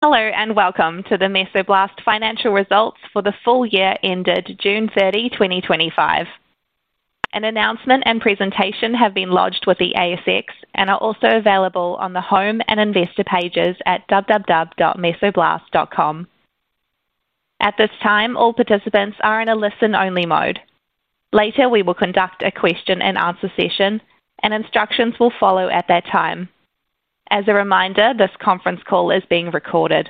Hello and welcome to the Mesoblast financial results for the full year ended June 30, 2025. An announcement and presentation have been lodged with the ASX and are also available on the home and investor pages at www.mesoblast.com. At this time, all participants are in a listen-only mode. Later, we will conduct a question and answer session, and instructions will follow at that time. As a reminder, this conference call is being recorded.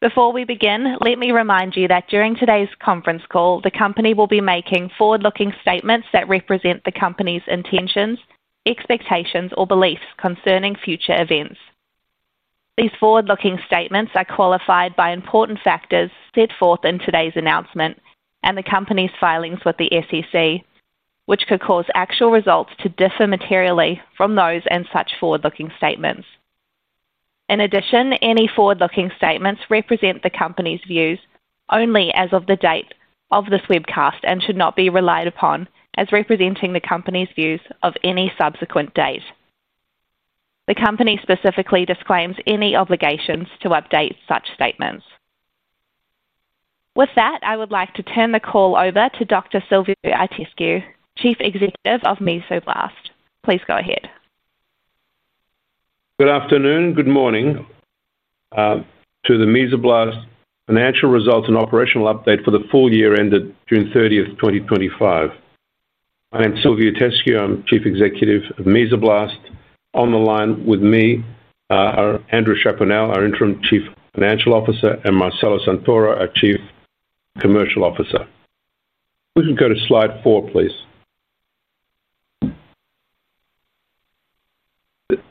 Before we begin, let me remind you that during today's conference call, the company will be making forward-looking statements that represent the company's intentions, expectations, or beliefs concerning future events. These forward-looking statements are qualified by important factors set forth in today's announcement and the company's filings with the SEC, which could cause actual results to differ materially from those in such forward-looking statements. In addition, any forward-looking statements represent the company's views only as of the date of this webcast and should not be relied upon as representing the company's views of any subsequent date. The company specifically disclaims any obligations to update such statements. With that, I would like to turn the call over to Dr. Silviu Itescu, Chief Executive of Mesoblast. Please go ahead. Good afternoon, good morning, to the Mesoblast financial results and operational update for the full year ended June 30, 2025. My name is Silviu Itescu. I'm Chief Executive of Mesoblast. On the line with me are Andrew Chaponnel, our Interim Chief Financial Officer, and Marcelo Santoro, our Chief Commercial Officer. We can go to slide four, please.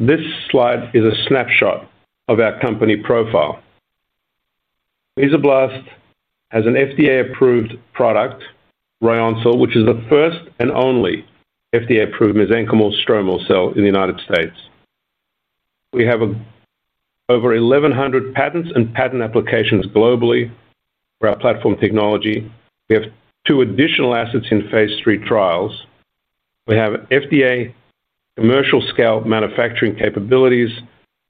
This slide is a snapshot of our company profile. Mesoblast has an FDA-approved product, Ryoncil, which is the first and only FDA-approved mesenchymal stromal cell in the United States. We have over 1,100 patents and patent applications globally for our platform technology. We have two additional assets in phase III trials. We have FDA commercial scale manufacturing capabilities,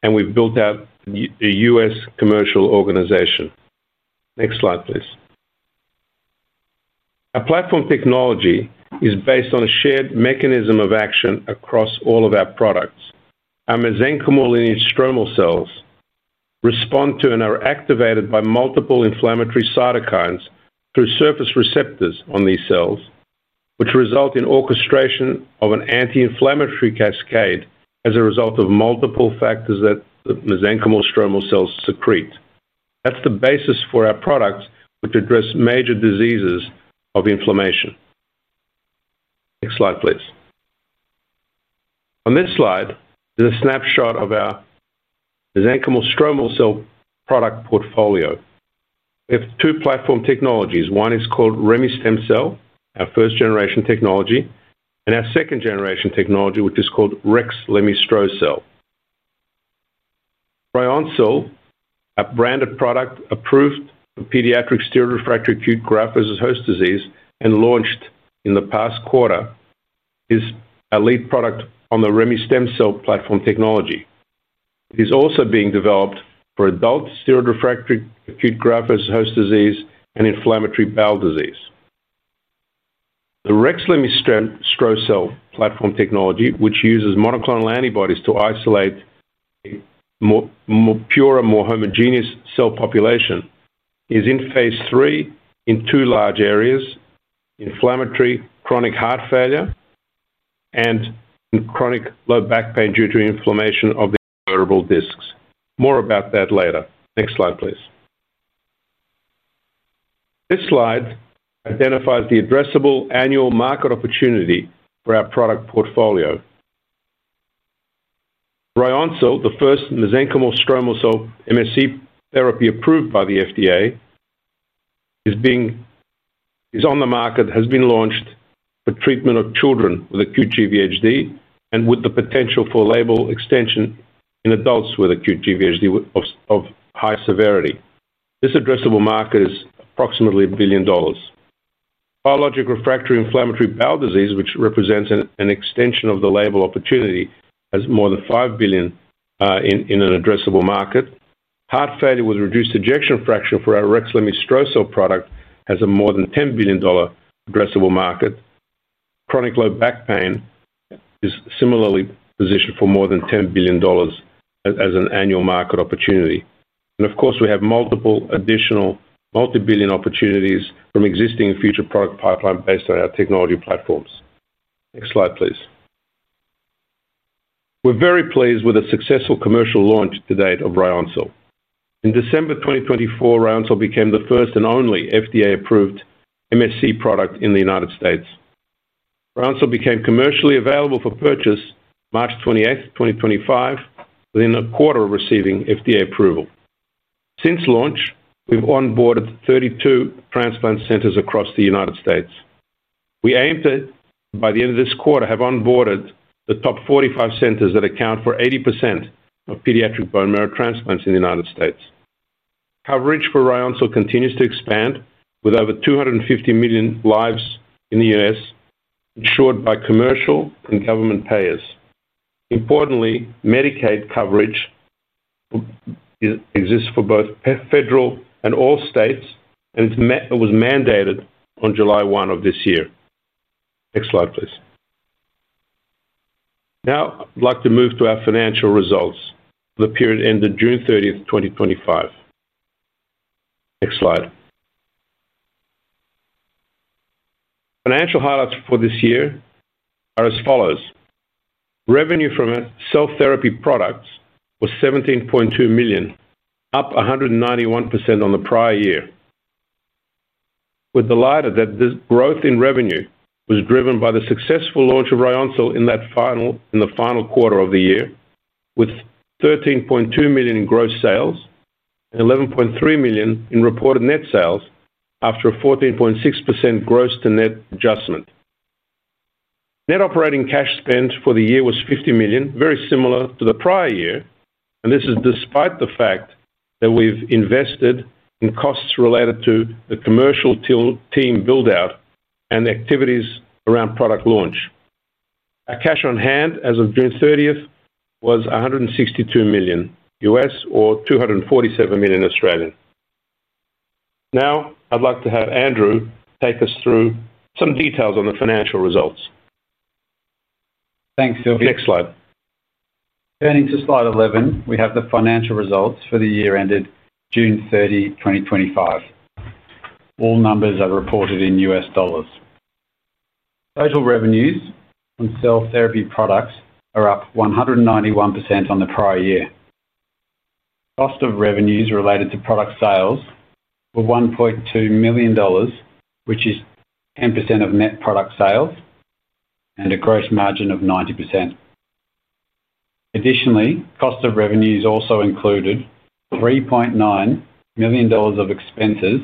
and we've built out a U.S. commercial organization. Next slide, please. Our platform technology is based on a shared mechanism of action across all of our products. Our mesenchymal lineage stromal cells respond to and are activated by multiple inflammatory cytokines through surface receptors on these cells, which result in orchestration of an anti-inflammatory cascade as a result of multiple factors that mesenchymal stromal cells secrete. That's the basis for our products, which address major diseases of inflammation. Next slide, please. On this slide is a snapshot of our mesenchymal stromal cell product portfolio. We have two platform technologies. One is called remestemcel-L, our first-generation technology, and our second-generation technology, which is called rexlemestrocel-L. Ryoncil, a branded product approved for pediatric steroid-refractory acute graft versus host disease and launched in the past quarter, is our lead product on the remestemcel-L platform technology. It is also being developed for adult steroid-refractory acute graft versus host disease and inflammatory bowel disease. The rexlemestrocel-L platform technology, which uses monoclonal antibodies to isolate a more pure and more homogeneous cell population, is in phase III in two large areas: inflammatory chronic heart failure and chronic low back pain due to inflammation of the vertebral discs. More about that later. Next slide, please. This slide identifies the addressable annual market opportunity for our product portfolio. Ryoncil, the first mesenchymal stromal cell (MSC) therapy approved by the FDA, is on the market and has been launched for treatment of children with acute graft versus host disease (GVHD), with the potential for label extension in adults with acute GVHD of high severity. This addressable market is approximately $1 billion. Biologic refractory inflammatory bowel disease, which represents an extension of the label opportunity, has more than $5 billion in an addressable market. Heart failure with reduced ejection fraction for our rexlemestrocel-L product has a more than $10 billion addressable market. Chronic low back pain is similarly positioned for more than $10 billion as an annual market opportunity. We have multiple additional multibillion opportunities from existing and future product pipeline based on our technology platforms. Next slide, please. We're very pleased with a successful commercial launch to date of Ryoncil. In December 2024, Ryoncil became the first and only FDA-approved MSC product in the United States. Ryoncil became commercially available for purchase March 28, 2025, within a quarter of receiving FDA approval. Since launch, we've onboarded 32 transplant centers across the United States. We aim to, by the end of this quarter, have onboarded the top 45 centers that account for 80% of pediatric bone marrow transplants in the United States. Coverage for R continues to expand with over 250 million lives in the U.S. insured by commercial and government payers. Importantly, Medicaid coverage exists for both federal and all states, and it was mandated on July 1 of this year. Next slide, please. Now I'd like to move to our financial results for the period ended June 30, 2025. Next slide. Financial highlights for this year are as follows. Revenue from our cell therapy products was $17.2 million, up 191% on the prior year. We're delighted that this growth in revenue was driven by the successful launch of Ryoncil in the final quarter of the year, with $13.2 million in gross sales and $11.3 million in reported net sales after a 14.6% gross-to-net adjustment. Net operating cash spend for the year was $50 million, very similar to the prior year, and this is despite the fact that we've invested in costs related to the commercial team build-out and activities around product launch. Our cash on hand as of June 30 was US$162 million (U.S.) or A$247 million. Now I'd like to have Andrew take us through some details on the financial results. Thanks, Phil. Next slide. Turning to slide 11, we have the financial results for the year ended June 30, 2025. All numbers are reported in U.S. dollars. Total revenues on cell therapy products are up 191% on the prior year. Cost of revenues related to product sales were $1.2 million, which is 10% of net product sales and a gross margin of 90%. Additionally, cost of revenues also included $3.9 million of expenses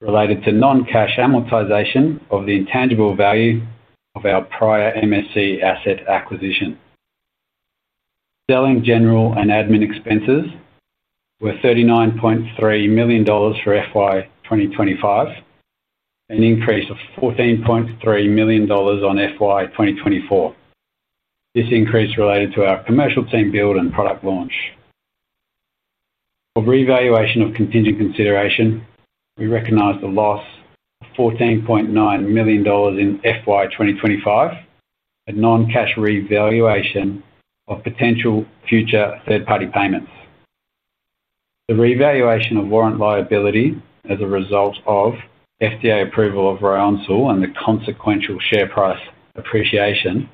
related to non-cash amortization of the intangible value of our prior MSC asset acquisition. Selling, general, and admin expenses were $39.3 million for FY 2025, an increase of $14.3 million on FY 2024. This increase related to our commercial team build and product launch. For revaluation of contingent consideration, we recognized a loss of $14.9 million in FY 2025 at non-cash revaluation of potential future third-party payments. The revaluation of warrant liability as a result of FDA approval of Ryoncil and the consequential share price appreciation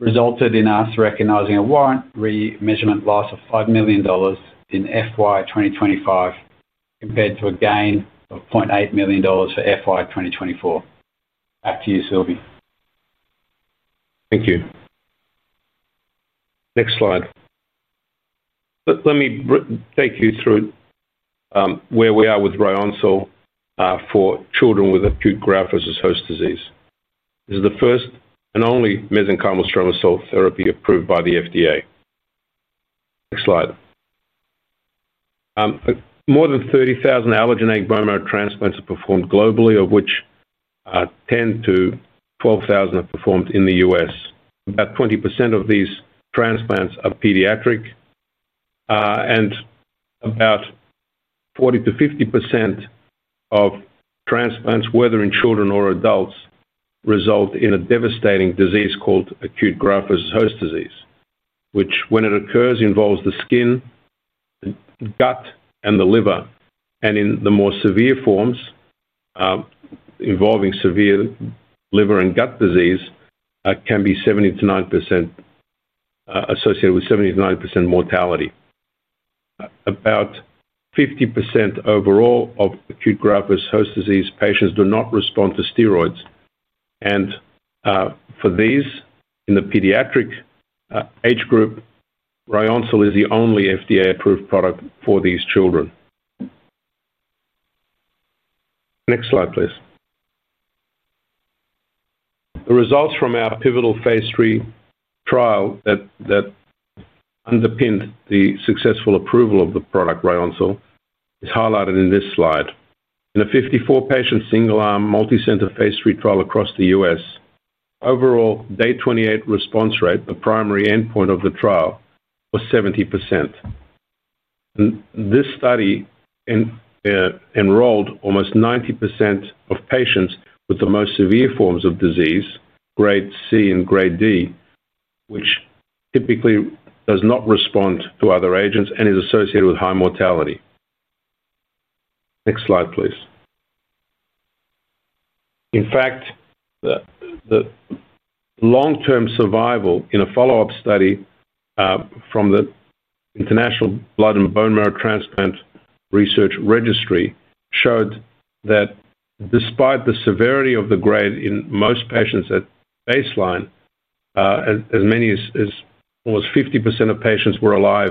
resulted in us recognizing a warrant remeasurement loss of $5 million in FY 2025 compared to a gain of $0.8 million for FY 2024. Back to you, Silviu. Thank you. Next slide. Let me take you through where we are with Ryoncil for children with acute graft versus host disease. This is the first and only mesenchymal stromal cell therapy approved by the FDA. Next slide. More than 30,000 allogeneic bone marrow transplants are performed globally, of which 10,000-12,000 are performed in the U.S. About 20% of these transplants are pediatric, and about 40%-50% of transplants, whether in children or adults, result in a devastating disease called acute graft versus host disease, which, when it occurs, involves the skin, the gut, and the liver. In the more severe forms, involving severe liver and gut disease, it can be associated with 70%-90% mortality. About 50% overall of acute graft versus host disease patients do not respond to steroids, and for these in the pediatric age group, Ryoncil is the only FDA-approved product for these children. Next slide, please. The results from our pivotal phase III trial that underpinned the successful approval of the product, Ryoncil, is highlighted in this slide. In a 54-patient single-arm, multicenter phase III trial across the U.S., the overall day 28 response rate, the primary endpoint of the trial, was 70%. This study enrolled almost 90% of patients with the most severe forms of disease, grade C and grade D, which typically does not respond to other agents and is associated with high mortality. Next slide, please. In fact, the long-term survival in a follow-up study from the International Blood and Bone Marrow Transplant Research Registry showed that despite the severity of the grade in most patients at baseline, as many as almost 50% of patients were alive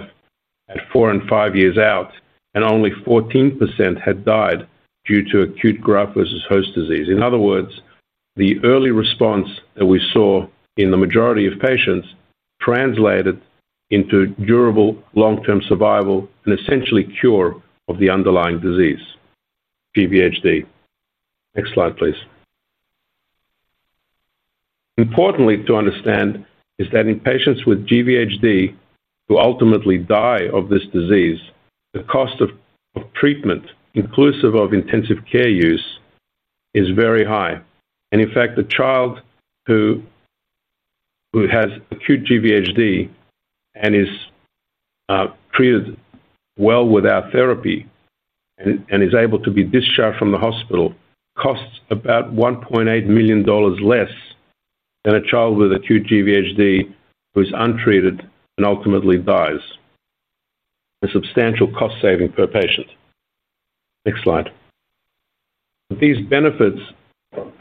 at four and five years out, and only 14% had died due to acute graft versus host disease. In other words, the early response that we saw in the majority of patients translated into durable long-term survival and essentially cure of the underlying disease, GVHD. Next slide, please. Importantly to understand is that in patients with GVHD who ultimately die of this disease, the cost of treatment, inclusive of intensive care use, is very high. In fact, the child who has acute GVHD and is treated well with our therapy and is able to be discharged from the hospital costs about $1.8 million less than a child with acute GVHD who is untreated and ultimately dies. A substantial cost saving per patient. Next slide. These benefits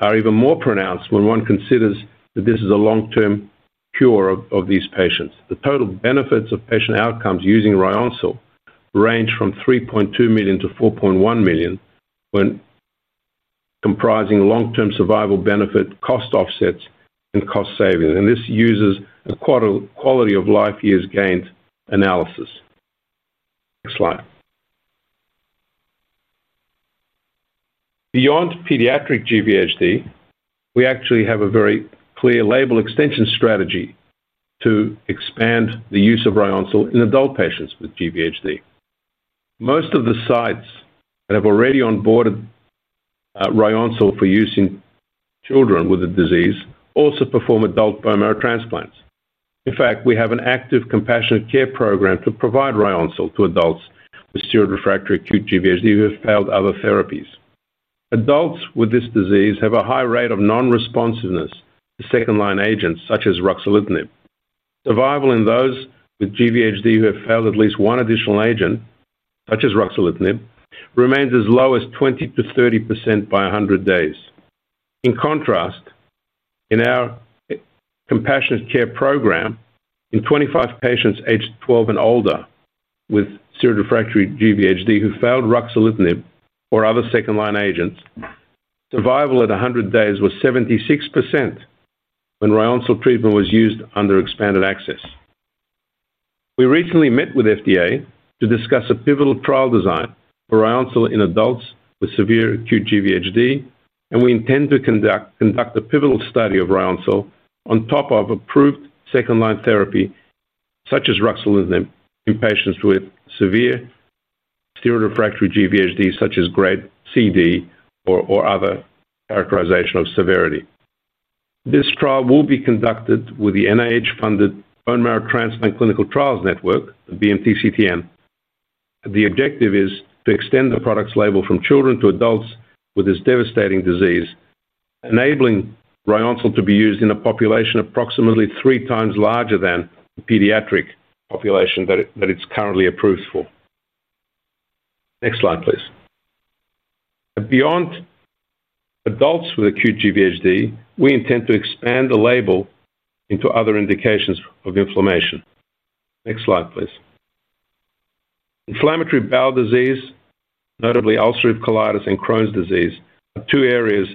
are even more pronounced when one considers that this is a long-term cure of these patients. The total benefits of patient outcomes using Ryoncil range from $3.2 million-$4.1 million when comprising long-term survival benefit, cost offsets, and cost savings. This uses a quality of life years gained analysis. Next slide. Beyond pediatric GVHD, we actually have a very clear label extension strategy to expand the use of Ryoncil in adult patients with GVHD. Most of the sites that have already onboarded Ryoncil for use in children with the disease also perform adult bone marrow transplants. In fact, we have an active compassionate care program to provide Ryoncil to adults with steroid-refractory acute GVHD who have failed other therapies. Adults with this disease have a high rate of non-responsiveness to second-line agents such as ruxolitinib. Survival in those with GVHD who have failed at least one additional agent, such as ruxolitinib, remains as low as 20% to 30% by 100 days. In contrast, in our compassionate care program, in 25 patients aged 12 and older with steroid-refractory GVHD who failed ruxolitinib or other second-line agents, survival at 100 days was 76% when Ryoncil treatment was used under expanded access. We recently met with FDA to discuss a pivotal trial design for Ryoncil in adults with severe acute GVHD, and we intend to conduct a pivotal study of Ryoncil on top of approved second-line therapy such as ruxolitinib in patients with severe steroid-refractory GVHD, such as grade C/D or other characterization of severity. This trial will be conducted with the NIH-funded Bone Marrow Transplant Clinical Trials Network, the BMTCTN. The objective is to extend the product's label from children to adults with this devastating disease, enabling Ryoncil to be used in a population approximately three times larger than the pediatric population that it's currently approved for. Next slide, please. Beyond adults with acute GVHD, we intend to expand the label into other indications of inflammation. Next slide, please. Inflammatory bowel disease, notably ulcerative colitis and Crohn's disease, are two areas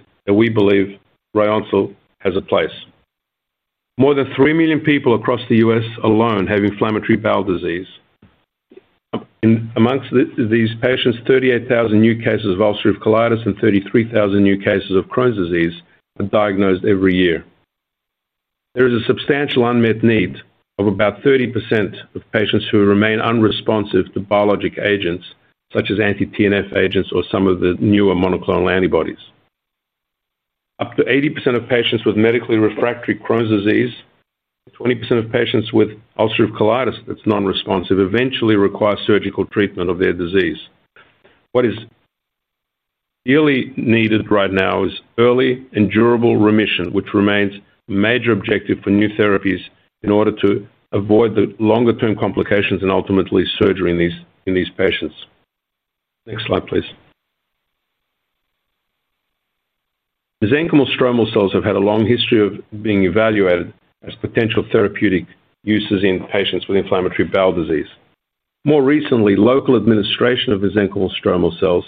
that we believe Ryoncil has a place. More than 3 million people across the U.S. alone have inflammatory bowel disease. Amongst these patients, 38,000 new cases of ulcerative colitis and 33,000 new cases of Crohn's disease are diagnosed every year. There is a substantial unmet need of about 30% of patients who remain unresponsive to biologic agents such as anti-TNF agents or some of the newer monoclonal antibodies. Up to 80% of patients with medically refractory Crohn's disease, 20% of patients with ulcerative colitis that's non-responsive eventually require surgical treatment of their disease. What is really needed right now is early and durable remission, which remains a major objective for new therapies in order to avoid the longer-term complications and ultimately surgery in these patients. Next slide, please. Mesenchymal stromal cells have had a long history of being evaluated as potential therapeutic uses in patients with inflammatory bowel disease. More recently, local administration of mesenchymal stromal cells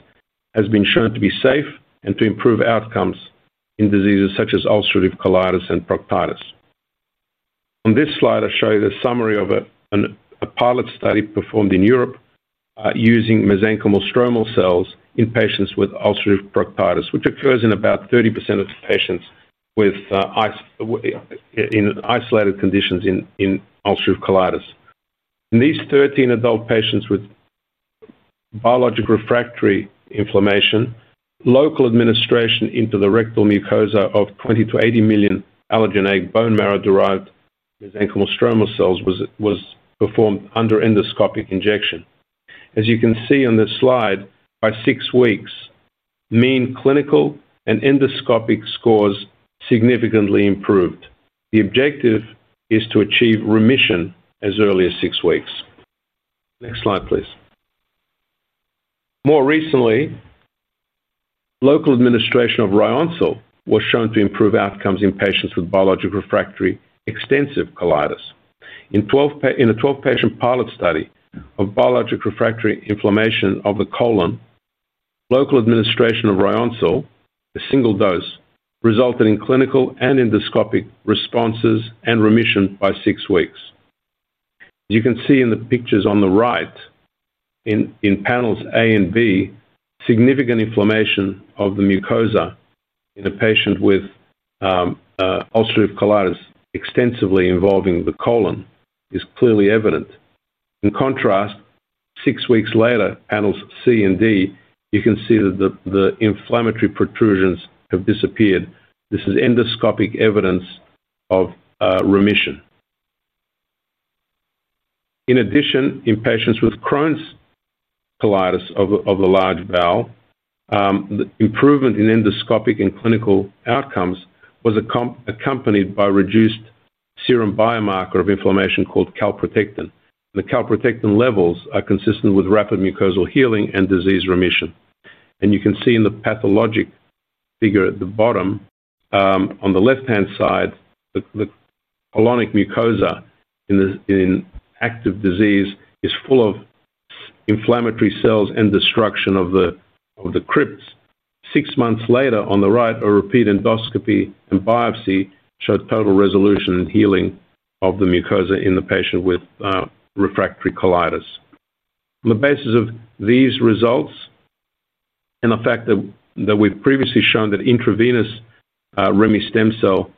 has been shown to be safe and to improve outcomes in diseases such as ulcerative colitis and proctitis. On this slide, I show you the summary of a pilot study performed in Europe using mesenchymal stromal cells in patients with ulcerative proctitis, which occurs in about 30% of patients in isolated conditions in ulcerative colitis. In these 13 adult patients with biologic refractory inflammation, local administration into the rectal mucosa of 20-80 million allogeneic bone marrow-derived mesenchymal stromal cells was performed under endoscopic injection. As you can see on this slide, by six weeks, mean clinical and endoscopic scores significantly improved. The objective is to achieve remission as early as six weeks. Next slide, please. More recently, local administration of Ryoncil was shown to improve outcomes in patients with biologic refractory extensive colitis. In a 12-patient pilot study of biologic refractory inflammation of the colon, local administration of Ryoncil, a single dose, resulted in clinical and endoscopic responses and remission by six weeks. As you can see in the pictures on the right, in panels A and B, significant inflammation of the mucosa in a patient with ulcerative colitis extensively involving the colon is clearly evident. In contrast, six weeks later, panels C and D, you can see that the inflammatory protrusions have disappeared. This is endoscopic evidence of remission. In addition, in patients with Crohn's colitis of the large bowel, the improvement in endoscopic and clinical outcomes was accompanied by reduced serum biomarker of inflammation called calprotectin. The calprotectin levels are consistent with rapid mucosal healing and disease remission. You can see in the pathologic figure at the bottom, on the left-hand side, the colonic mucosa in active disease is full of inflammatory cells and destruction of the crypts. Six months later, on the right, a repeat endoscopy and biopsy showed total resolution and healing of the mucosa in the patient with refractory colitis. On the basis of these results and the fact that we've previously shown that intravenous remestemcel-L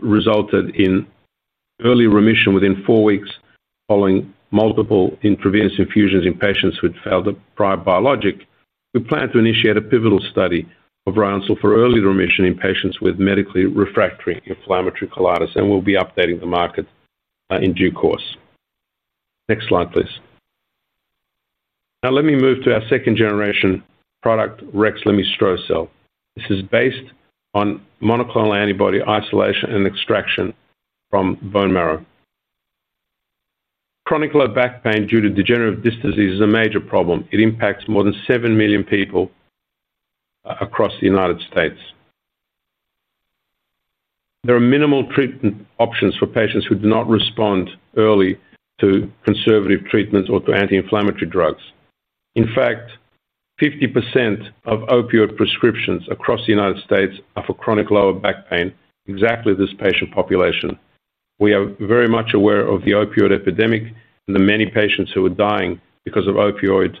resulted in early remission within four weeks following multiple intravenous infusions in patients who had failed a prior biologic, we plan to initiate a pivotal study of Ryoncil for early remission in patients with medically refractory inflammatory colitis, and we'll be updating the market in due course. Next slide, please. Now let me move to our second-generation product, rexlemestrocel-L. This is based on monoclonal antibody isolation and extraction from bone marrow. Chronic low back pain due to degenerative disc disease is a major problem. It impacts more than 7 million people across the United States. There are minimal treatment options for patients who do not respond early to conservative treatments or to anti-inflammatory drugs. In fact, 50% of opioid prescriptions across the United States are for chronic low back pain, exactly this patient population. We are very much aware of the opioid epidemic and the many patients who are dying because of opioid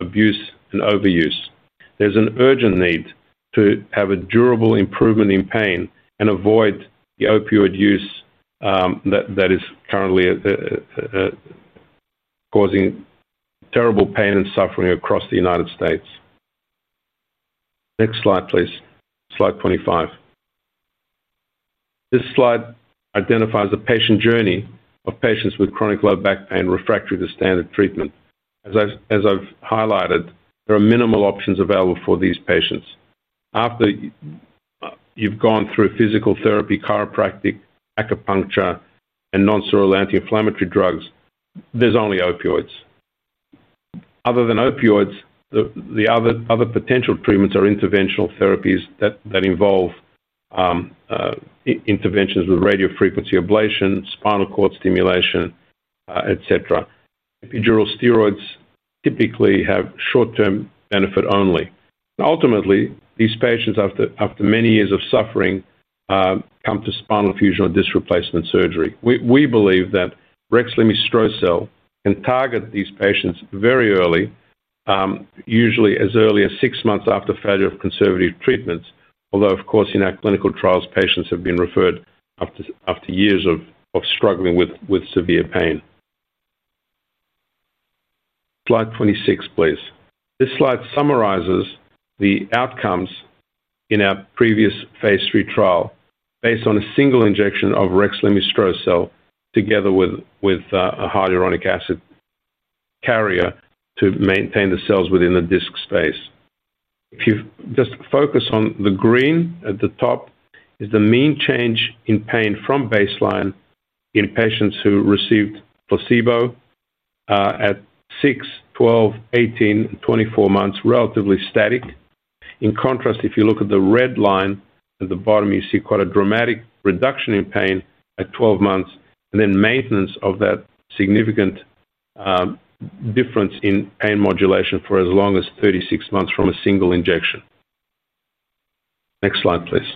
abuse and overuse. There's an urgent need to have a durable improvement in pain and avoid the opioid use that is currently causing terrible pain and suffering across the United States. Next slide, please. Slide 25. This slide identifies the patient journey of patients with chronic low back pain refractory to standard treatment. As I've highlighted, there are minimal options available for these patients. After you've gone through physical therapy, chiropractic, acupuncture, and non-steroidal anti-inflammatory drugs, there's only opioids. Other than opioids, the other potential treatments are interventional therapies that involve interventions with radiofrequency ablation, spinal cord stimulation, etc. Epidural steroids typically have short-term benefit only. Ultimately, these patients, after many years of suffering, come to spinal fusion or disc replacement surgery. We believe that rexlemestrocel-L can target these patients very early, usually as early as six months after failure of conservative treatments, although, of course, in our clinical trials, patients have been referred after years of struggling with severe pain. Slide 26, please. This slide summarizes the outcomes in our previous phase III trial based on a single injection of rexlemestrocel-L together with a hyaluronic acid carrier to maintain the cells within the disc space. If you just focus on the green at the top, it is the mean change in pain from baseline in patients who received placebo at 6, 12, 18, and 24 months, relatively static. In contrast, if you look at the red line at the bottom, you see quite a dramatic reduction in pain at 12 months and then maintenance of that significant difference in pain modulation for as long as 36 months from a single injection. Next slide, please.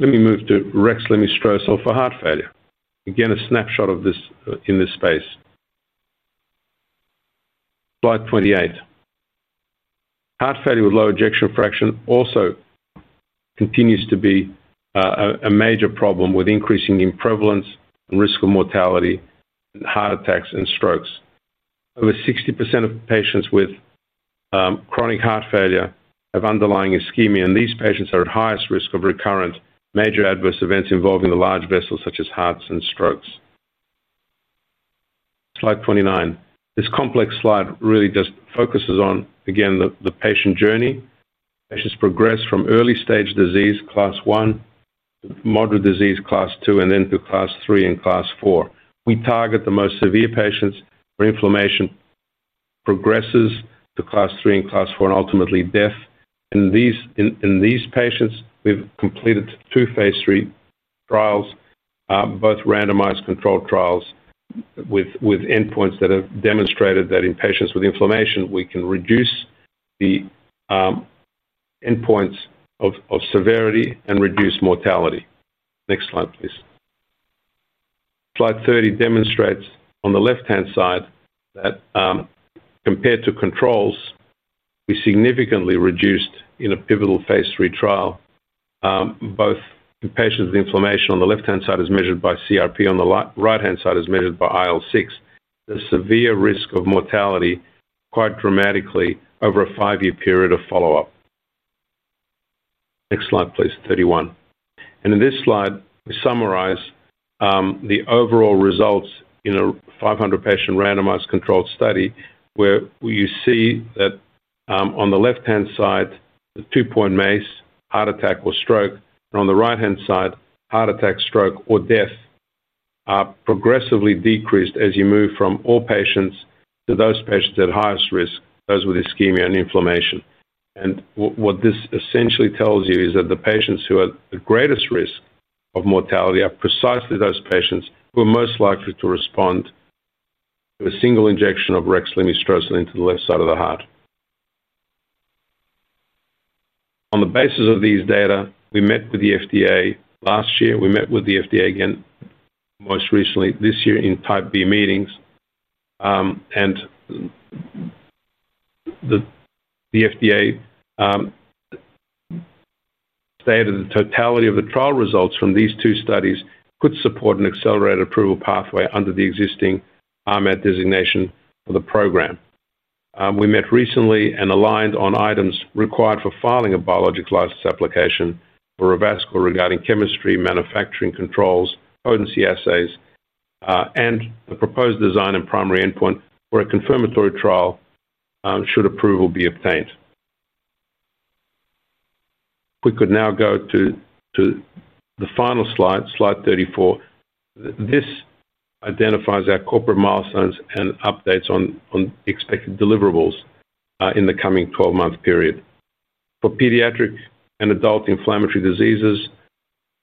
Let me move to rexlemestrocel-L for heart failure. Again, a snapshot of this in this space. Slide 28. Heart failure with reduced ejection fraction also continues to be a major problem, increasing in prevalence and risk of mortality and heart attacks and strokes. Over 60% of patients with chronic heart failure have underlying ischemia, and these patients are at highest risk of recurrent major adverse events involving the large vessels such as hearts and strokes. Slide 29. This complex slide really just focuses on, again, the patient journey. Patients progress from early stage disease, class one, moderate disease, class two, and then to class three and class four. We target the most severe patients where inflammation progresses to class three and class four and ultimately death. In these patients, we've completed two phase III trials, both randomized controlled trials with endpoints that have demonstrated that in patients with inflammation, we can reduce the endpoints of severity and reduce mortality. Next slide, please. Slide 30 demonstrates on the left-hand side that compared to controls, we significantly reduced in a pivotal phase III trial, both in patients with inflammation on the left-hand side as measured by CRP, on the right-hand side as measured by IL-6, the severe risk of mortality quite dramatically over a five-year period of follow-up. Next slide, please, 31. In this slide, we summarize the overall results in a 500-patient randomized controlled study where you see that on the left-hand side, the two-point MACE, heart attack or stroke, and on the right-hand side, heart attack, stroke, or death are progressively decreased as you move from all patients to those patients at highest risk, those with ischemia and inflammation. What this essentially tells you is that the patients who are at the greatest risk of mortality are precisely those patients who are most likely to respond to a single injection of rexlemestrocel-L into the left side of the heart. On the basis of these data, we met with the FDA last year. We met with the FDA again most recently this year in type B meetings, and the FDA stated the totality of the trial results from these two studies could support an accelerated approval pathway under the existing RMAT designation of the program. We met recently and aligned on items required for filing a biologic license application for Revascor regarding chemistry, manufacturing controls, potency assays, and the proposed design and primary endpoint for a confirmatory trial should approval be obtained. If we could now go to the final slide, slide 34. This identifies our corporate milestones and updates on expected deliverables in the coming 12-month period. For pediatric and adult inflammatory diseases,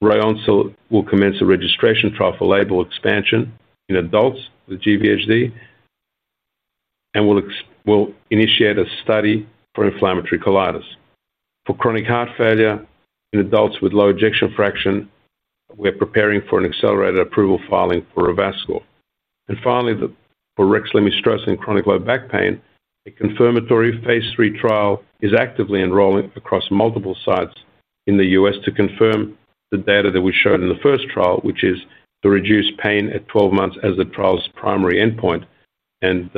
Ryoncil will commence a registration trial for label expansion in adults with GVHD and will initiate a study for inflammatory colitis. For chronic heart failure in adults with low ejection fraction, we're preparing for an accelerated approval filing for Revascor. Finally, for rexlemestrocel-L in chronic low back pain, a confirmatory phase III trial is actively enrolling across multiple sites in the U.S. to confirm the data that we showed in the first trial, which is to reduce pain at 12 months as the trial's primary endpoint. It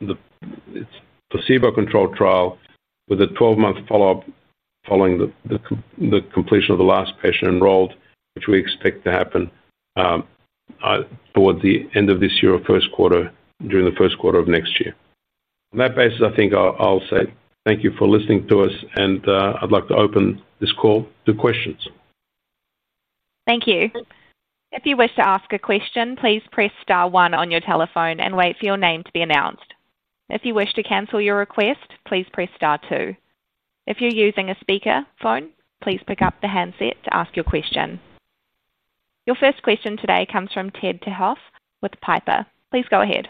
is a placebo-controlled trial with a 12-month follow-up following the completion of the last patient enrolled, which we expect to happen toward the end of this year or during the first quarter of next year. On that basis, I think I'll say thank you for listening to us, and I'd like to open this call to questions. Thank you. If you wish to ask a question, please press star one on your telephone and wait for your name to be announced. If you wish to cancel your request, please press star two. If you're using a speaker phone, please pick up the handset to ask your question. Your first question today comes from Edward Tenthoff with Piper Sandler. Please go ahead.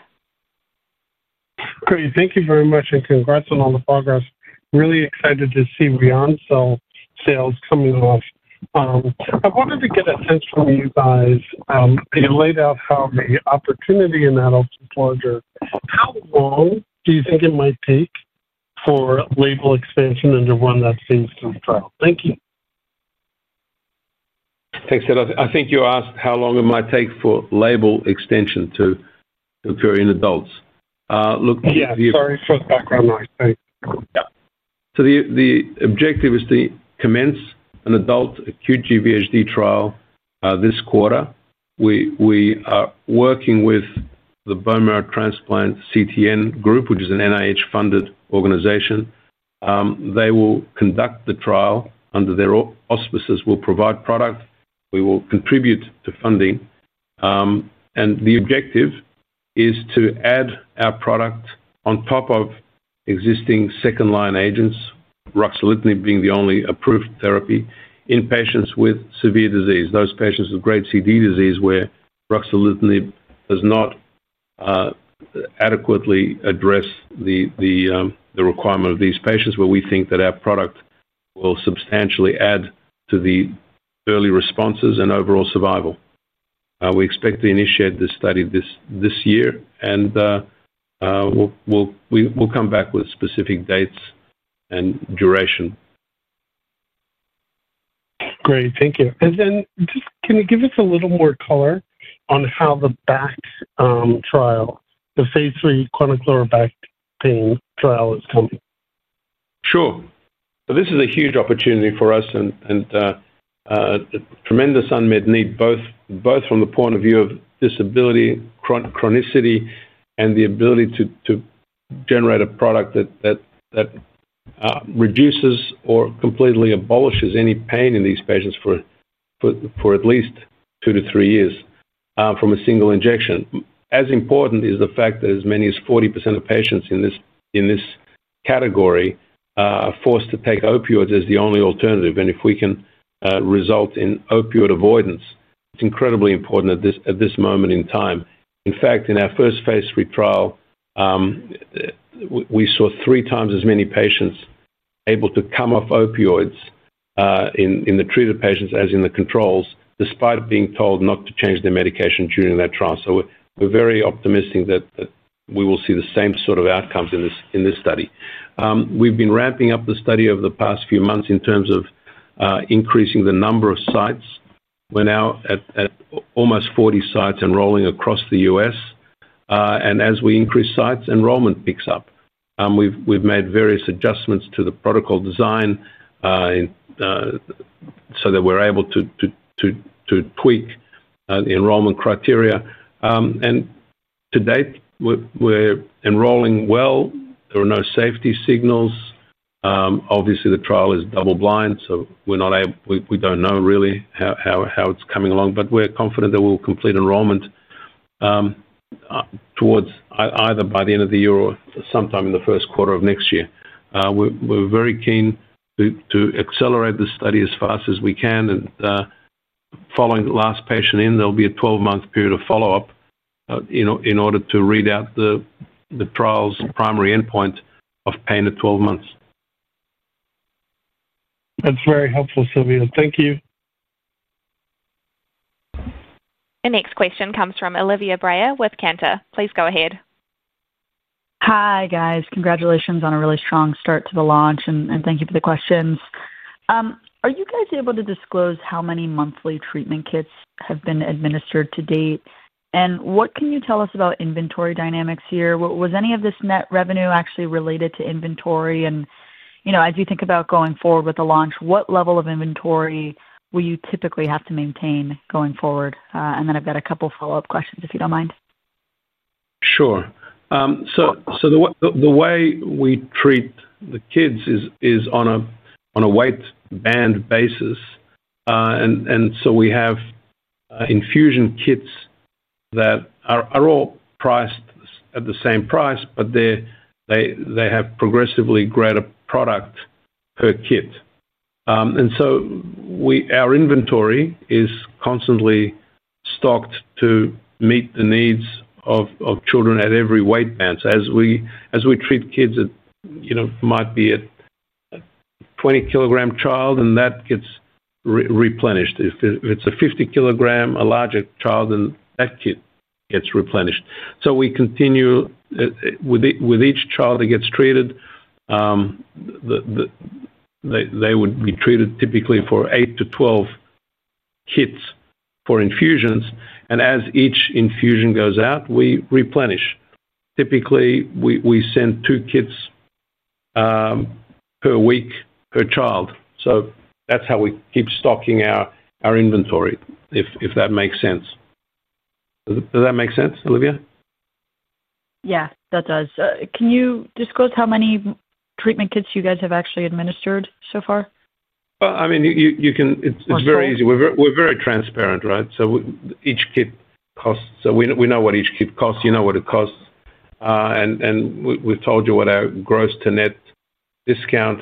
Okay. Thank you very much. It's a great one on the progress. I'm really excited to see Ryoncil sales coming off. I wanted to get a sense from you guys. You laid out how the opportunity in that proposal is. How long do you think it might take for label expansion under one that seems to have failed? Thank you. Thanks, Ted. I think you asked how long it might take for label extension to occur in adults. Look. Yeah, sorry for the background noise. Thanks. The objective is to commence an adult acute graft versus host disease (GVHD) trial this quarter. We are working with the Bone Marrow Transplant Clinical Trials Network, which is an NIH-funded organization. They will conduct the trial under their auspices. We'll provide product, and we will contribute to funding. The objective is to add our product on top of existing second-line agents, ruxolitinib being the only approved therapy in patients with severe disease. Those patients with grade CD disease where ruxolitinib does not adequately address the requirement of these patients, we think that our product will substantially add to the early responses and overall survival. We expect to initiate this study this year, and we'll come back with specific dates and duration. Great, thank you. Can you give us a little more color on how the back trial, the phase III chronic low back pain trial, is coming? Sure. This is a huge opportunity for us and a tremendous unmet need, both from the point of view of disability, chronicity, and the ability to generate a product that reduces or completely abolishes any pain in these patients for at least two to three years from a single injection. As important is the fact that as many as 40% of patients in this category are forced to take opioids as the only alternative. If we can result in opioid avoidance, it's incredibly important at this moment in time. In fact, in our first phase III trial, we saw three times as many patients able to come off opioids in the treated patients as in the controls, despite being told not to change their medication during that trial. We are very optimistic that we will see the same sort of outcomes in this study. We have been ramping up the study over the past few months in terms of increasing the number of sites. We are now at almost 40 sites enrolling across the U.S. As we increase sites, enrollment picks up. We have made various adjustments to the protocol design so that we are able to tweak the enrollment criteria. To date, we are enrolling well. There are no safety signals. Obviously, the trial is double-blind, so we do not know really how it's coming along. We are confident that we will complete enrollment either by the end of the year or sometime in the first quarter of next year. We are very keen to accelerate the study as fast as we can. Following the last patient in, there will be a 12-month period of follow-up in order to read out the trial's primary endpoint of pain at 12 months. That's very helpful, Silviu. Thank you. The next question comes from Olivia Simone Brayer with Canaccord Genuity Corp. Please go ahead. Hi guys. Congratulations on a really strong start to the launch, and thank you for the questions. Are you guys able to disclose how many monthly treatment kits have been administered to date? What can you tell us about inventory dynamics here? Was any of this net revenue actually related to inventory? As you think about going forward with the launch, what level of inventory will you typically have to maintain going forward? I've got a couple of follow-up questions if you don't mind. Sure. The way we treat the kits is on a weight band basis. We have infusion kits that are all priced at the same price, but they have progressively greater product per kit. Our inventory is constantly stocked to meet the needs of children at every weight band. As we treat kids that might be a 20-kilogram child, then that gets replenished. If it's a 50-kilogram, a larger child, then that kit gets replenished. We continue with each child that gets treated. They would be treated typically for 8 to 12 kits for infusions. As each infusion goes out, we replenish. Typically, we send two kits per week per child. That's how we keep stocking our inventory, if that makes sense. Does that make sense, Olivia? Yeah, that does. Can you disclose how many treatment kits you guys have actually administered so far? You can, it's very easy. We're very transparent, right? Each kit costs, so we know what each kit costs. You know what it costs. We've told you what our gross-to-net discount,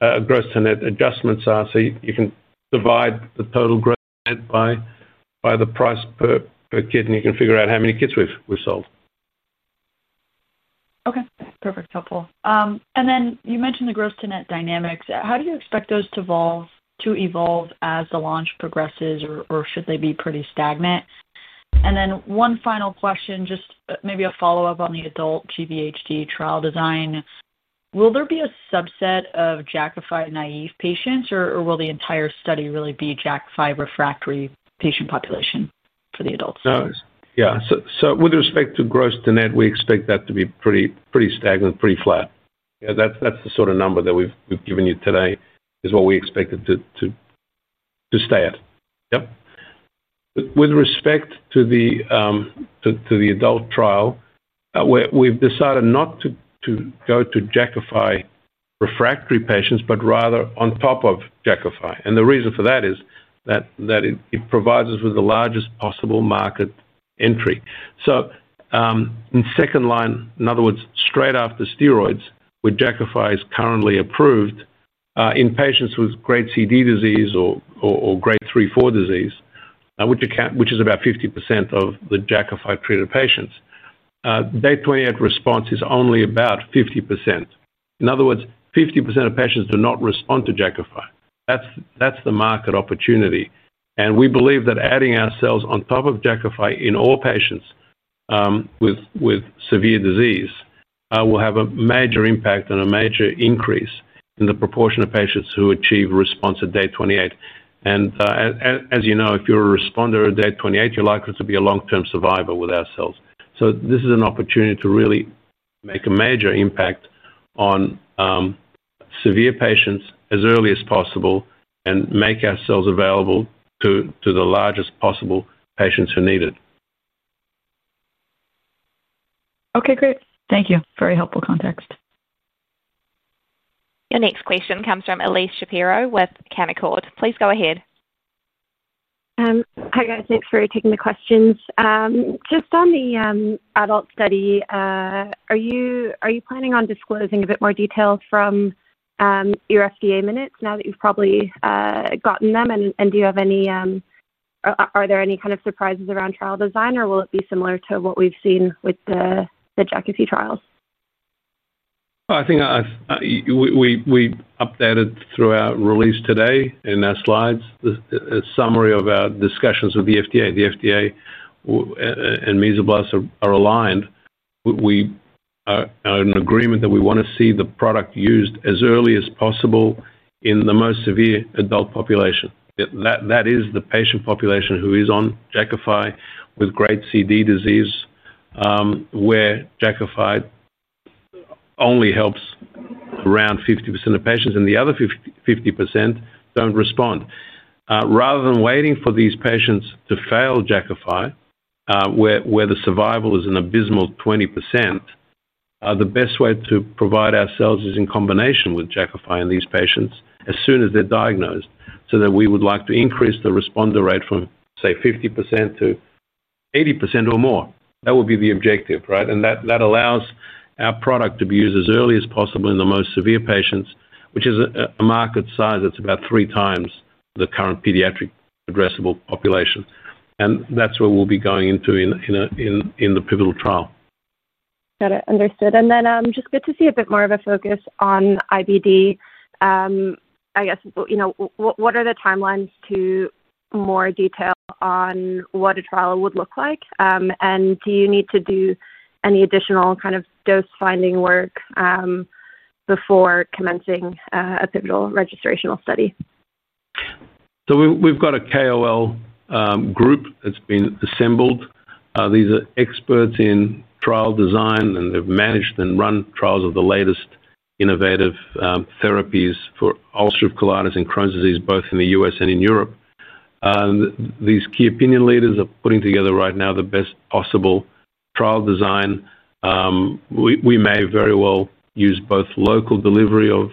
gross-to-net adjustments are. You can divide the total gross-to-net by the price per kit, and you can figure out how many kits we've sold. Okay. That's perfect. Helpful. You mentioned the gross-to-net dynamics. How do you expect those to evolve as the launch progresses, or should they be pretty stagnant? One final question, just maybe a follow-up on the adult GVHD trial design. Will there be a subset of Jakafi naive patients, or will the entire study really be Jakafi refractory patient population for the adults? Yeah. With respect to gross-to-net, we expect that to be pretty stagnant, pretty flat. That's the sort of number that we've given you today, is what we expect it to stay at. With respect to the adult trial, we've decided not to go to Jakafi refractory patients, but rather on top of Jakafi. The reason for that is that it provides us with the largest possible market entry. In second line, in other words, straight after steroids, where Jakafi is currently approved in patients with grade CD disease or grade 3-4 disease, which is about 50% of the Jakafi treated patients, day 28 response is only about 50%. In other words, 50% of patients do not respond to Jakafi. That's the market opportunity. We believe that adding ourselves on top of Jakafi in all patients with severe disease will have a major impact and a major increase in the proportion of patients who achieve response at day 28. As you know, if you're a responder at day 28, you're likely to be a long-term survivor with ourselves. This is an opportunity to really make a major impact on severe patients as early as possible and make ourselves available to the largest possible patients who need it. Okay, great. Thank you. Very helpful context. Your next question comes from Elyse Miriam Shapiro with Canaccord Genuity Corp. Please go ahead. Hi guys, thanks for taking the questions. Just on the adult study, are you planning on disclosing a bit more details from your FDA minutes now that you've probably gotten them? Do you have any, are there any kind of surprises around trial design, or will it be similar to what we've seen with the Jakafi trials? I think we updated through our release today in our slides a summary of our discussions with the FDA. The FDA and Mesoblast are aligned. We are in agreement that we want to see the product used as early as possible in the most severe adult population. That is the patient population who is on Jakafi with grade CD disease, where Jakafi only helps around 50% of patients, and the other 50% don't respond. Rather than waiting for these patients to fail Jakafi, where the survival is an abysmal 20%, the best way to provide ourselves is in combination with Jakafi in these patients as soon as they're diagnosed so that we would like to increase the responder rate from, say, 50% to 80% or more. That would be the objective, right? That allows our product to be used as early as possible in the most severe patients, which is a market size that's about three times the current pediatric addressable population. That's where we'll be going into in the pivotal trial. Got it. Understood. Good to see a bit more of a focus on inflammatory bowel disease. I guess, you know, what are the timelines to more detail on what a trial would look like? Do you need to do any additional kind of dose-finding work before commencing a pivotal registrational study? We have a KOL group that's been assembled. These are experts in trial design, and they've managed and run trials of the latest innovative therapies for ulcerative colitis and Crohn's disease, both in the U.S. and in Europe. These key opinion leaders are putting together right now the best possible trial design. We may very well use both local delivery of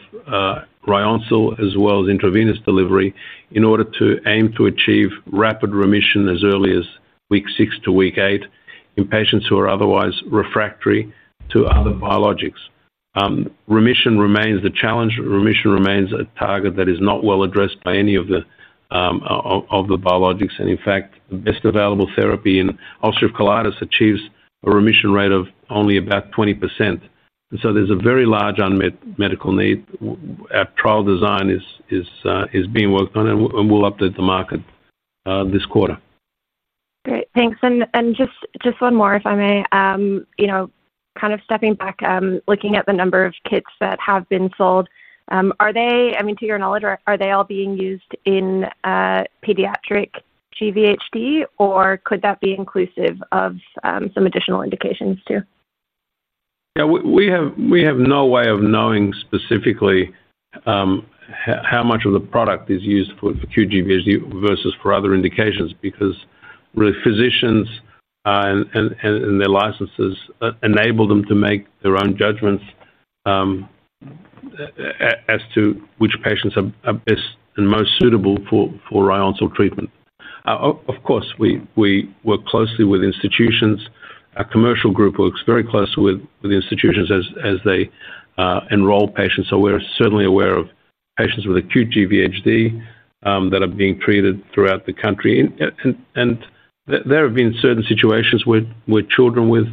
Ryoncil as well as intravenous delivery in order to aim to achieve rapid remission as early as week six to week eight in patients who are otherwise refractory to other biologics. Remission remains the challenge. Remission remains a target that is not well addressed by any of the biologics. In fact, the best available therapy in ulcerative colitis achieves a remission rate of only about 20%. There is a very large unmet medical need. Our trial design is being worked on, and we'll update the market this quarter. Great. Thanks. Just one more, if I may, kind of stepping back, looking at the number of kits that have been sold, are they, to your knowledge, are they all being used in pediatric GVHD, or could that be inclusive of some additional indications too? Yeah, we have no way of knowing specifically how much of the product is used for acute graft versus host disease (GVHD) versus for other indications because really physicians and their licenses enable them to make their own judgments as to which patients are best and most suitable for Ryoncil treatment. Of course, we work closely with institutions. Our commercial group works very closely with the institutions as they enroll patients. We're certainly aware of patients with acute GVHD that are being treated throughout the country. There have been certain situations where children with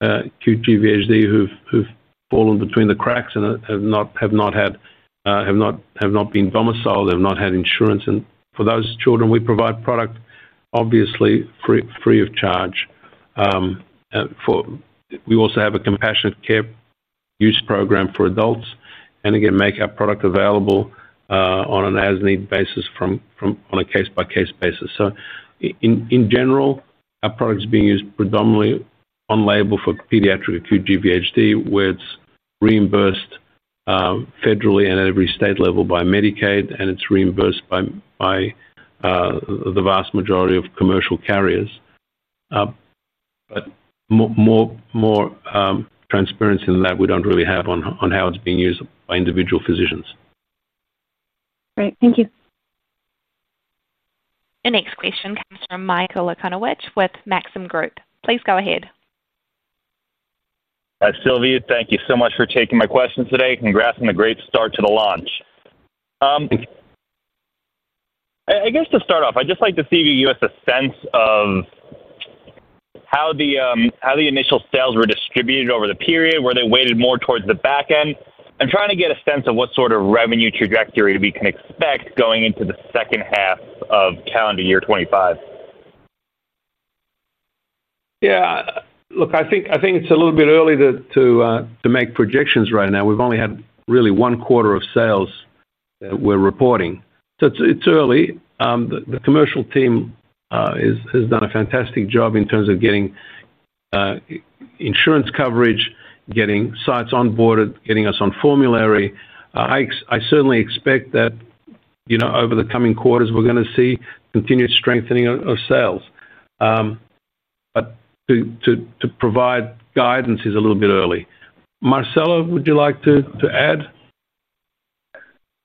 acute GVHD who've fallen between the cracks and have not been domiciled, have not had insurance. For those children, we provide product obviously free of charge. We also have a compassionate care use program for adults and again make our product available on an as-needed basis on a case-by-case basis. In general, our product is being used predominantly on label for pediatric acute GVHD where it's reimbursed federally and at every state level by Medicaid, and it's reimbursed by the vast majority of commercial carriers. More transparency than that, we don't really have on how it's being used by individual physicians. Great, thank you. The next question comes from Michael Okunewitch with Maxim Group LLC. Please go ahead. Hi, Silviu. Thank you so much for taking my question today. Congrats on the great start to the launch. I guess to start off, I'd just like to see if you could give us a sense of how the initial sales were distributed over the period, were they weighted more towards the back end. I'm trying to get a sense of what sort of revenue trajectory we can expect going into the second half of calendar year 2025. Yeah. Look, I think it's a little bit early to make projections right now. We've only had really one quarter of sales that we're reporting. It's early. The commercial team has done a fantastic job in terms of getting insurance coverage, getting sites onboarded, getting us on formulary. I certainly expect that over the coming quarters, we're going to see continued strengthening of sales. To provide guidance is a little bit early. Marcelo, would you like to add?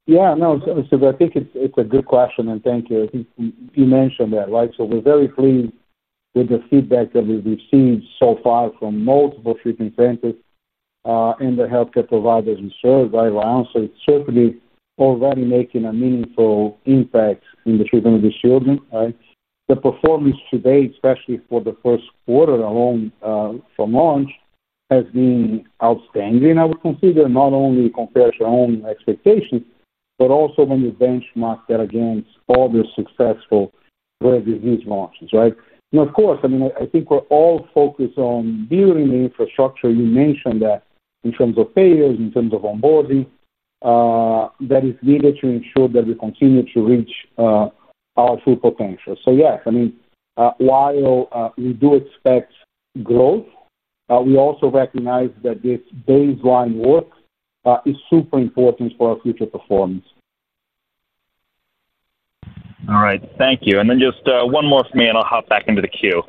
Yeah, no, Silviu, I think it's a good question, and thank you. I think you mentioned that, right? We're very pleased with the feedback that we've received so far from multiple treatment centers and the healthcare providers we serve, right? Ryoncil is certainly already making a meaningful impact in the treatment of these children, right? The performance today, especially for the first quarter alone from launch, has been outstanding, I would consider, not only compared to our own expectations, but also when you benchmark that against other successful rare disease launches, right? Of course, I mean, I think we're all focused on building the infrastructure you mentioned that in terms of payers, in terms of onboarding, that is needed to ensure that we continue to reach our full potential. Yes, I mean, while we do expect growth, we also recognize that this baseline work is super important for our future performance. All right. Thank you. One more for me, and I'll hop back into the queue.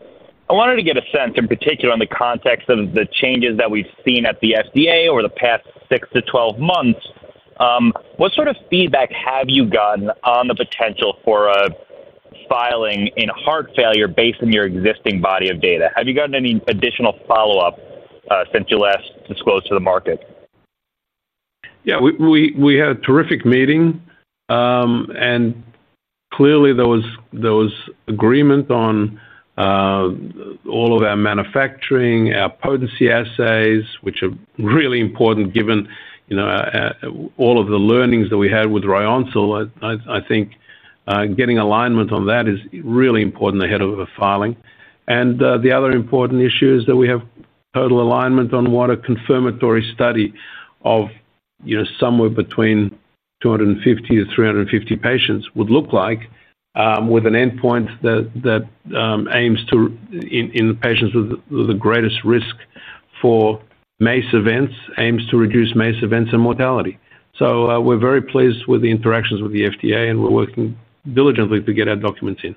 I wanted to get a sense, in particular in the context of the changes that we've seen at the FDA over the past 6 to 12 months. What sort of feedback have you gotten on the potential for a filing in heart failure based on your existing body of data? Have you gotten any additional follow-up since you last disclosed to the market? Yeah, we had a terrific meeting. Clearly, those agreements on all of our manufacturing, our potency assays, which are really important given all of the learnings that we had with Ryoncil, I think getting alignment on that is really important ahead of a filing. The other important issue is that we have total alignment on what a confirmatory study of somewhere between 250-350 patients would look like, with an endpoint that aims to, in patients with the greatest risk for MACE events, reduce MACE events and mortality. We're very pleased with the interactions with the FDA, and we're working diligently to get our documents in.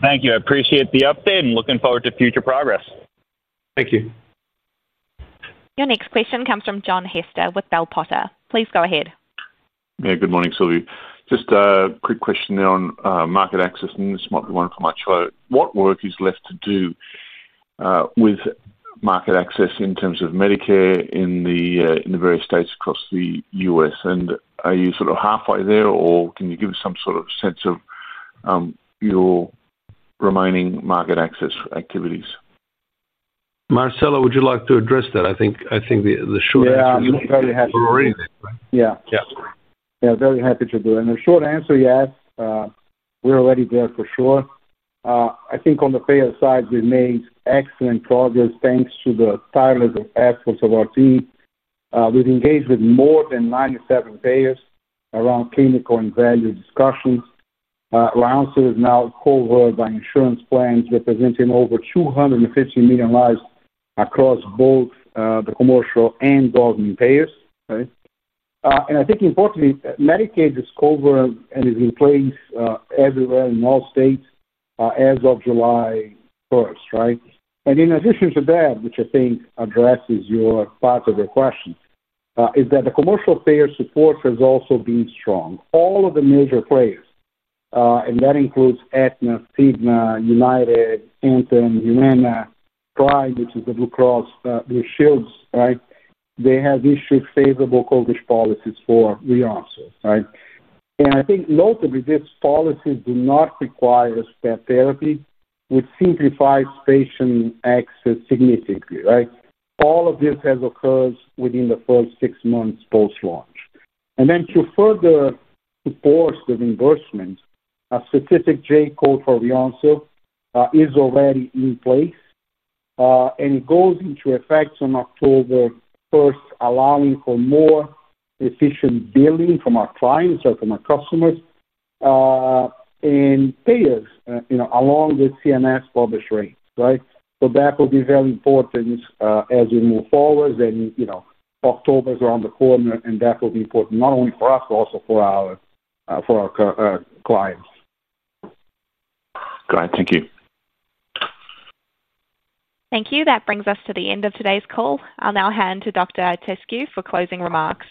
Thank you. I appreciate the update and looking forward to future progress. Thank you. Your next question comes from John Hester with Bell Potter Securities Limited. Please go ahead. Yeah, good morning, Silviu. Just a quick question there on market access, and this might be one for Marcelo. What work is left to do with market access in terms of Medicare in the various states across the U.S.? Are you sort of halfway there, or can you give us some sort of sense of your remaining market access activities? Marcelo, would you like to address that? I think the short answer. Yeah, you're not very happy already, right? Yeah. Yeah. Yeah, I'm very happy to do it. The short answer, yes, we're already there for sure. I think on the payer side, we've made excellent progress thanks to the tireless efforts of our team. We've engaged with more than 97 payers around clinical and value discussions. Ryoncil is now covered by insurance plans representing over 250 million lives across both the commercial and government payers. I think importantly, Medicaid is covered and is in place everywhere in all states as of July 1, right? In addition to that, which I think addresses your part of the question, the commercial payer support has also been strong. All of the major players, and that includes Aetna, Cigna, United, Anthem, Humana, Pride, which is the Blue Cross Blue Shields, right? They have issued favorable coverage policies for Ryoncil, right? Notably, these policies do not require stat therapy, which simplifies patient access significantly, right? All of this has occurred within the first six months post-launch. To further support the reimbursement, a specific J-code for Ryoncil is already in place. It goes into effect on October 1, allowing for more efficient billing from our clients or from our customers and payers, along with CMS publish rates, right? That will be very important as we move forward. October is around the corner, and that will be important not only for us, but also for our clients. All right. Thank you. Thank you. That brings us to the end of today's call. I'll now hand to Dr. Silviu Itescu for closing remarks.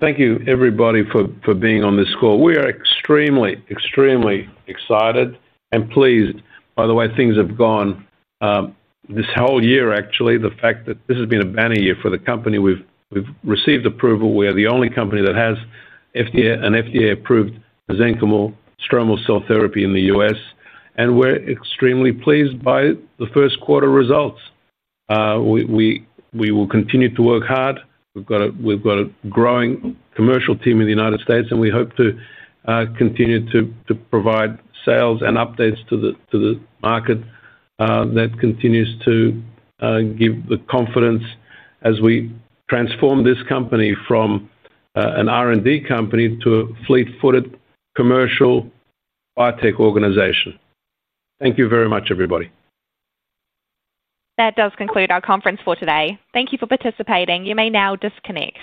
Thank you, everybody, for being on this call. We are extremely, extremely excited and pleased. By the way, things have gone this whole year, actually. The fact that this has been a banner year for the company. We've received approval. We are the only company that has an FDA-approved mesenchymal stromal cell therapy in the U.S., and we're extremely pleased by the first quarter results. We will continue to work hard. We've got a growing commercial team in the United States, and we hope to continue to provide sales and updates to the market that continues to give the confidence as we transform this company from an R&D company to a fleet-footed commercial biotech organization. Thank you very much, everybody. That does conclude our conference for today. Thank you for participating. You may now disconnect.